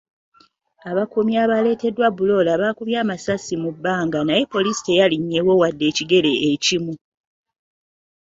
Abakuumi abaleeteddwa Bulola baakubye amasasi mu bbanga naye poliisi teyalinnyewo wadde ekigere ekimu.